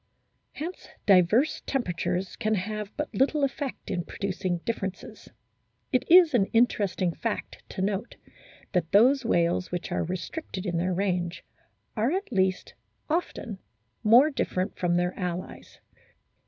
Hence diverse temperatures can have but little effect in producing differences. It is an interesting fact to note that those whales which are restricted in their ran^e are at least often more different from their o allies.